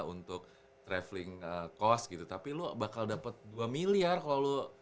untuk traveling cost gitu tapi lo bakal dapat dua miliar kalau lo